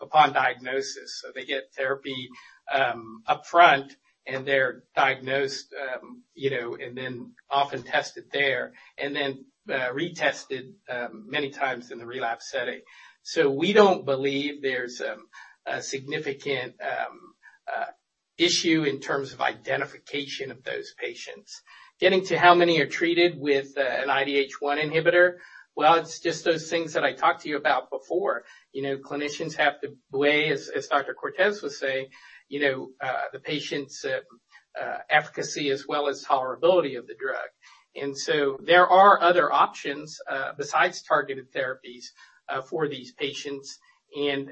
upon diagnosis. They get therapy upfront and they're diagnosed, you know, and then often tested there, and then retested many times in the relapse setting. We don't believe there's a significant issue in terms of identification of those patients. Getting to how many are treated with an IDH1 inhibitor, well, it's just those things that I talked to you about before. You know, clinicians have to weigh, as Dr. Cortes was saying, you know, the patient's efficacy as well as tolerability of the drug. There are other options besides targeted therapies for these patients. You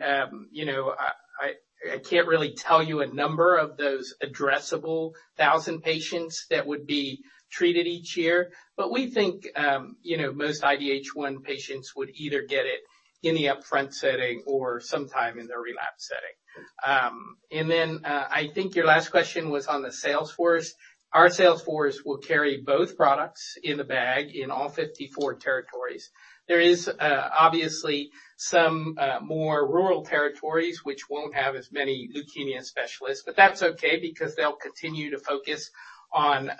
know, I can't really tell you a number of those addressable 1,000 patients that would be treated each year, but we think, you know, most IDH1 patients would either get it in the upfront setting or sometime in their relapse setting. I think your last question was on the sales force. Our sales force will carry both products in the bag in all 54 territories. There is, obviously some, more rural territories which won't have as many leukemia specialists, but that's okay because they'll continue to focus on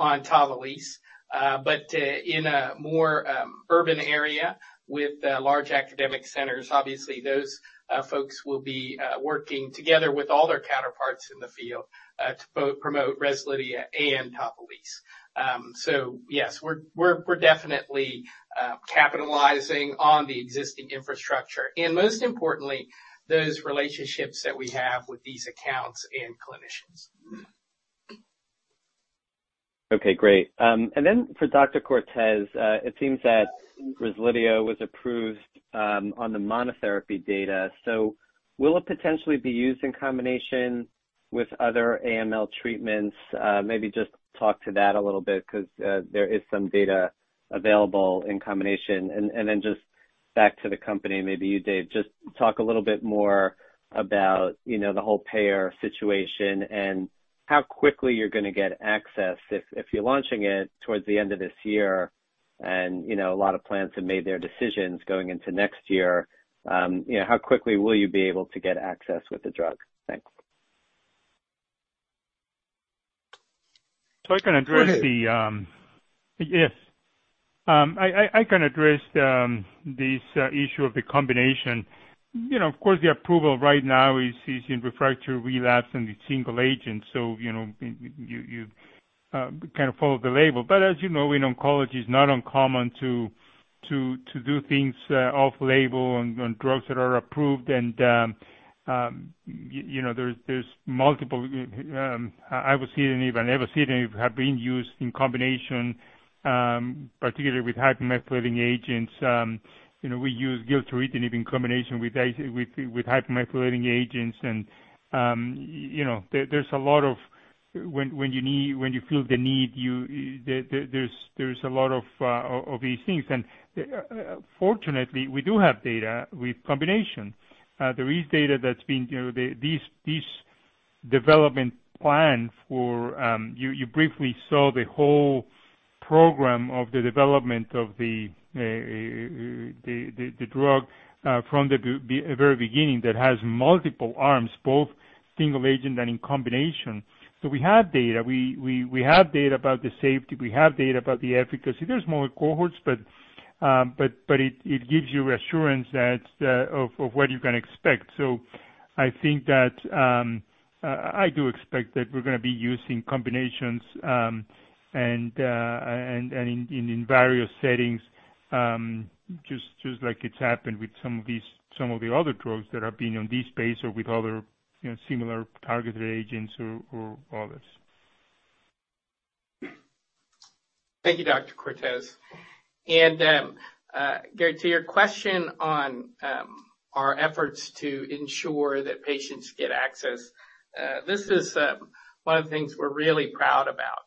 TAVALISSE. In a more, urban area with, large academic centers, obviously those, folks will be, working together with all their counterparts in the field, to promote REZLIDHIA and TAVALISSE. Yes, we're definitely capitalizing on the existing infrastructure, and most importantly, those relationships that we have with these accounts and clinicians. Okay, great. Then for Dr. Cortes, it seems that REZLIDHIA was approved on the monotherapy data. Will it potentially be used in combination with other AML treatments? Maybe just talk to that a little bit 'cause there is some data available in combination. Then just back to the company, maybe you, Dave, just talk a little bit more about, you know, the whole payer situation and how quickly you're gonna get access if you're launching it towards the end of this year and, you know, a lot of plans have made their decisions going into next year, you know, how quickly will you be able to get access with the drug? Thanks. I can address the... Go ahead. Yes. I can address this issue of the combination. You know, of course, the approval right now is in refractory relapse and it's single agent, so, you know, you kind of follow the label. As you know, in oncology it's not uncommon to do things off label on drugs that are approved and, you know, there's multiple, I would see it and even ever see it, have been used in combination, particularly with hypomethylating agents. You know, we use gilteritinib in combination with hypomethylating agents and, you know, there's a lot of when you need, when you feel the need, you, there's a lot of these things. Fortunately, we do have data with combination. There is data that's been, you know, the, these development plan for, you briefly saw the whole program of the development of the drug, from the very beginning that has multiple arms, both single agent and in combination. We have data. We have data about the safety, we have data about the efficacy. There's more cohorts, but it gives you assurance of what you can expect. I think that, I do expect that we're gonna be using combinations, and in various settings, just like it's happened with some of these, some of the other drugs that are being on this space or with other, you know, similar targeted agents or others. Thank you, Dr. Cortes. Gary, to your question on our efforts to ensure that patients get access, this is one of the things we're really proud about.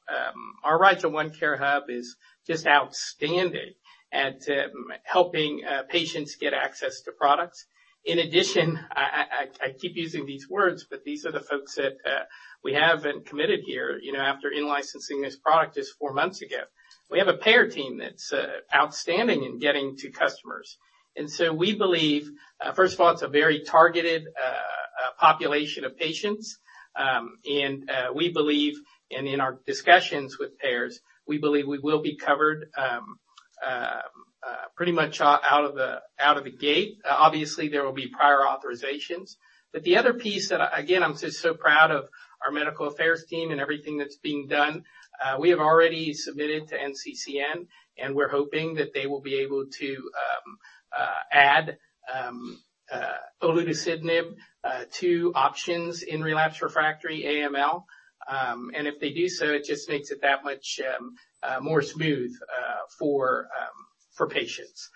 Our RIGEL ONECARE hub is just outstanding at helping patients get access to products. In addition, I keep using these words, but these are the folks that we have and committed here, you know, after in-licensing this product just four months ago. We have a payer team that's outstanding in getting to customers. We believe, first of all, it's a very targeted population of patients. We believe and in our discussions with payers, we believe we will be covered pretty much out of the gate. Obviously, there will be prior authorizations. The other piece that, again, I'm just so proud of our medical affairs team and everything that's being done, we have already submitted to NCCN, and we're hoping that they will be able to add olutasidenib to options in relapse refractory AML. If they do so, it just makes it that much more smooth for patients.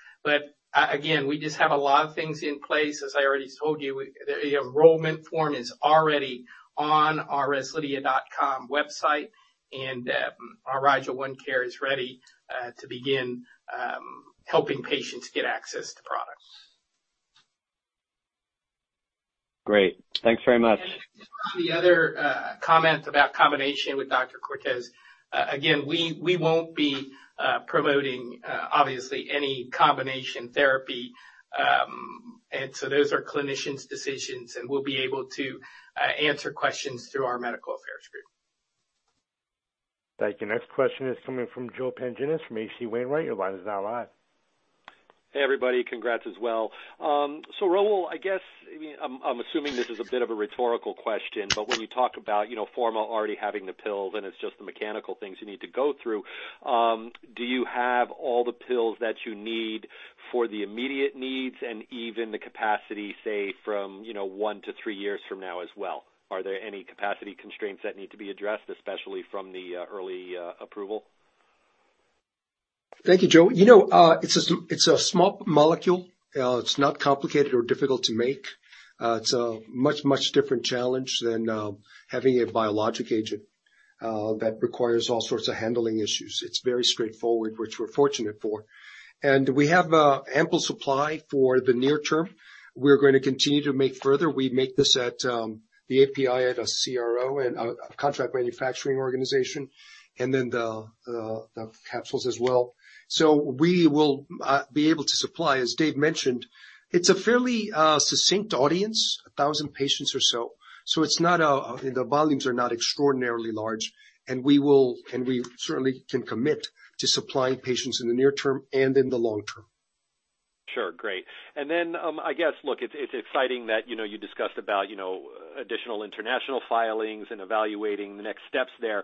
Again, we just have a lot of things in place. As I already told you, the enrollment form is already on our REZLIDHIA.com website, and our RIGEL ONECARE is ready to begin helping patients get access to products. Great. Thanks very much. The other comment about combination with Dr. Cortes, again, we won't be promoting obviously any combination therapy. Those are clinicians' decisions, and we'll be able to answer questions through our medical affairs group. Thank you. Next question is coming from Joseph Pantginis from H.C. Wainwright. Your line is now live. Hey, everybody. Congrats as well. Raul, I guess, I mean, I'm assuming this is a bit of a rhetorical question, but when you talk about, you know, Forma already having the pills, and it's just the mechanical things you need to go through, do you have all the pills that you need for the immediate needs and even the capacity, say, from, you know, 1 to 3 years from now as well? Are there any capacity constraints that need to be addressed, especially from the early approval? Thank you, Joe. You know, it's a small molecule. It's not complicated or difficult to make. It's a much, much different challenge than having a biologic agent that requires all sorts of handling issues. It's very straightforward, which we're fortunate for. We have ample supply for the near term. We're gonna continue to make further. We make this at the API at a CRO and a contract manufacturing organization, and then the capsules as well. We will be able to supply. As Dave mentioned, it's a fairly succinct audience, 1,000 patients or so. It's not the volumes are not extraordinarily large, and we certainly can commit to supplying patients in the near term and in the long term. Sure. Great. I guess, look, it's exciting that, you know, you discussed about, you know, additional international filings and evaluating the next steps there.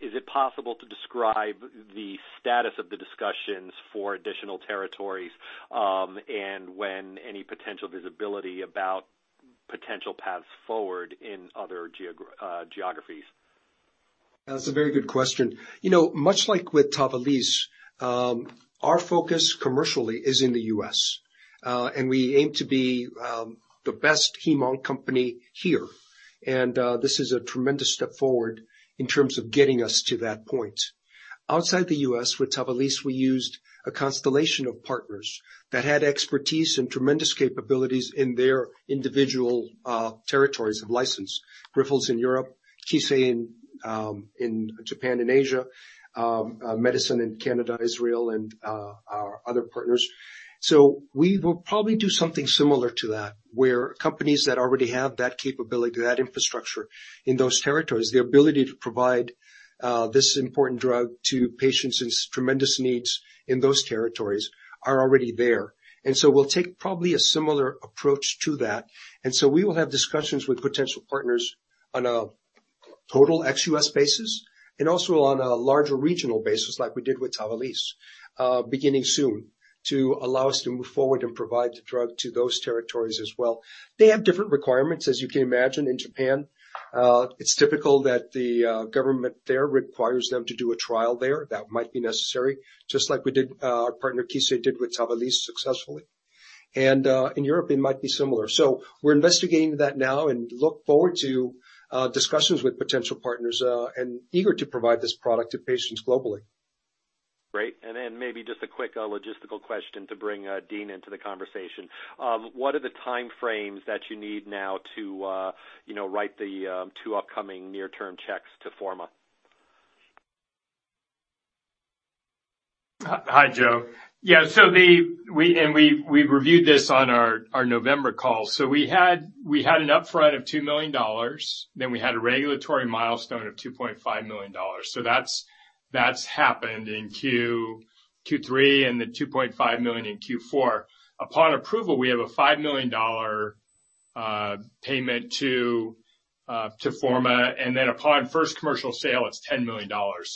Is it possible to describe the status of the discussions for additional territories, and when any potential visibility about potential paths forward in other geographies? That's a very good question. You know, much like with TAVALISSE, our focus commercially is in the U.S., and we aim to be the best hem-onc company here. This is a tremendous step forward in terms of getting us to that point. Outside the U.S., with TAVALISSE, we used a constellation of partners that had expertise and tremendous capabilities in their individual territories of license. Grifols in Europe, Kissei in Japan and Asia, Medison Pharma in Canada, Israel, and our other partners. We will probably do something similar to that, where companies that already have that capability, that infrastructure in those territories, the ability to provide this important drug to patients' tremendous needs in those territories are already there. We'll take probably a similar approach to that. We will have discussions with potential partners on a total ex-US basis and also on a larger regional basis like we did with TAVALISSE, beginning soon to allow us to move forward and provide the drug to those territories as well. They have different requirements, as you can imagine. In Japan, it's typical that the government there requires them to do a trial there. That might be necessary, just like we did, our partner Kissei did with TAVALISSE successfully. In Europe, it might be similar. We're investigating that now and look forward to discussions with potential partners and eager to provide this product to patients globally. Great. Maybe just a quick logistical question to bring Dean into the conversation. What are the time frames that you need now to, you know, write the 2 upcoming near-term checks to Forma? Hi, Joe. We reviewed this on our November call. We had an upfront of $2 million, then we had a regulatory milestone of $2.5 million. That's happened in Q3 and the $2.5 million in Q4. Upon approval, we have a $5 million payment to Forma, and then upon first commercial sale, it's $10 million.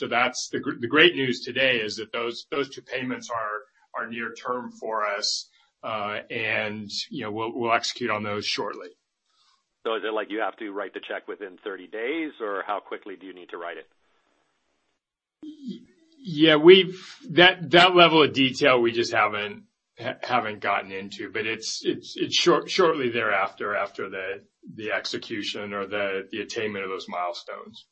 That's the great news today is that those two payments are near term for us, and, you know, we'll execute on those shortly. Is it like you have to write the check within 30 days, or how quickly do you need to write it? yeah, that level of detail we just haven't gotten into, but it's shortly thereafter after the execution or the attainment of those milestones.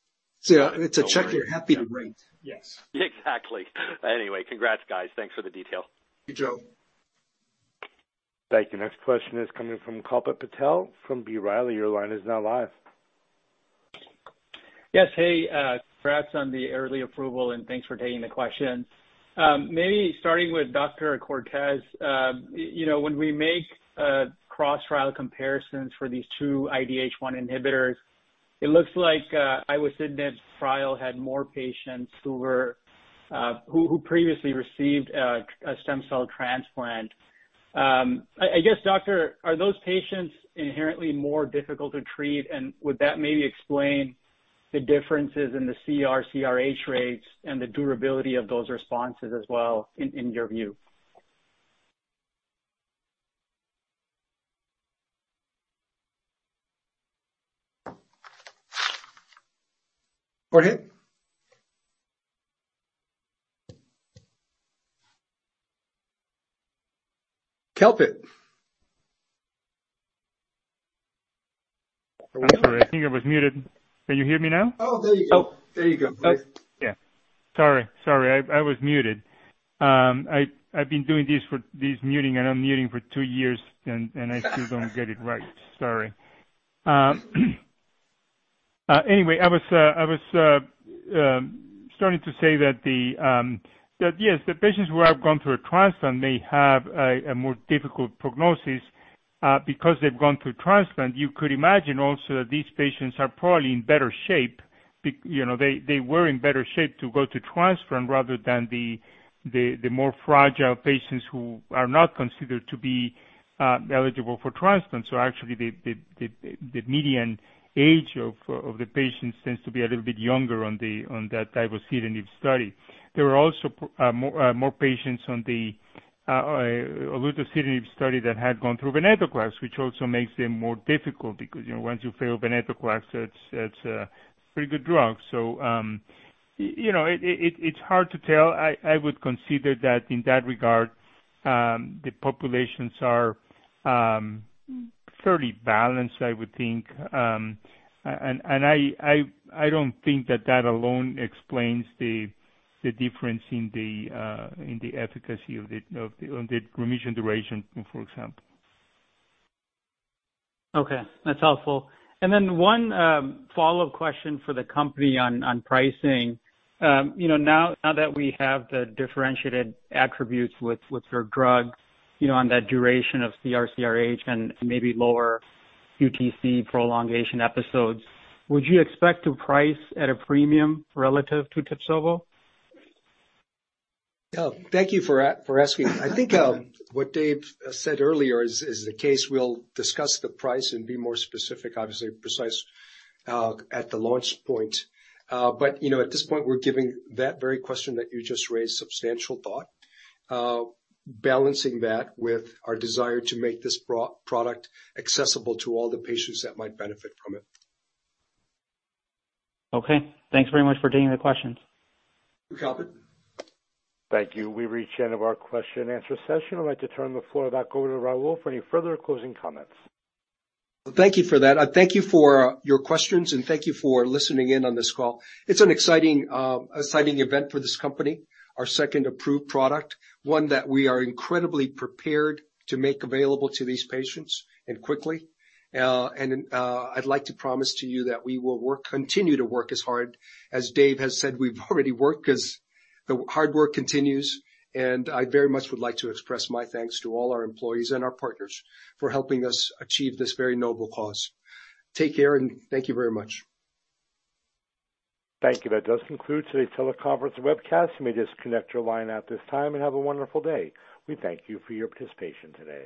It's a check you're happy to write. Yes. Exactly. Congrats, guys. Thanks for the detail. Thank you, Joe. Thank you. Next question is coming from Kalpit Patel from B. Riley. Your line is now live. Yes. Hey, congrats on the early approval, and thanks for taking the question. Maybe starting with Dr. Cortes, you know, when we make cross trial comparisons for these two IDH1 inhibitors, it looks like ivosidenib trial had more patients who previously received a stem cell transplant. I guess, Doctor, are those patients inherently more difficult to treat? Would that maybe explain the differences in the CR, CRH rates and the durability of those responses as well in your view? Go ahead. Kalpit. Are we on? I'm sorry. I think I was muted. Can you hear me now? Oh, there you go. There you go. Great. Yeah. Sorry, I was muted. I've been doing this for this muting and unmuting for two years, I still don't get it right. Sorry. Anyway, I was starting to say that, yes, the patients who have gone through a transplant may have a more difficult prognosis because they've gone through transplant. You could imagine also that these patients are probably in better shape, you know, they were in better shape to go to transplant rather than the more fragile patients who are not considered to be eligible for transplant. Actually, the median age of the patients tends to be a little bit younger on that ivosidenib study. There are also more patients on the olutasidenib study that had gone through venetoclax, which also makes them more difficult because, you know, once you fail venetoclax, it's a pretty good drug. You know, it's hard to tell. I would consider that in that regard, the populations are fairly balanced, I would think. And I don't think that that alone explains the difference in the efficacy of the remission duration, for example. Okay. That's helpful. One follow-up question for the company on pricing. You know, now that we have the differentiated attributes with your drug, you know, on that duration of CR, CRH and maybe lower QTC prolongation episodes, would you expect to price at a premium relative to TIBSOVO? Thank you for asking. I think, what Dave said earlier is the case. We'll discuss the price and be more specific, obviously precise, at the launch point. You know, at this point, we're giving that very question that you just raised substantial thought, balancing that with our desire to make this product accessible to all the patients that might benefit from it. Okay. Thanks very much for taking the questions. Thank you, Kalpit. Thank you. We've reached the end of our question and answer session. I'd like to turn the floor back over to Raul for any further closing comments. Thank you for that. I thank you for your questions, and thank you for listening in on this call. It's an exciting event for this company. Our second approved product, one that we are incredibly prepared to make available to these patients, and quickly. I'd like to promise to you that we will continue to work as hard as Dave has said we've already worked as the hard work continues, and I very much would like to express my thanks to all our employees and our partners for helping us achieve this very noble cause. Take care, and thank you very much. Thank you. That does conclude today's teleconference and webcast. You may disconnect your line at this time and have a wonderful day. We thank you for your participation today.